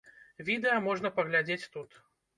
Відэа можна паглядзець тут.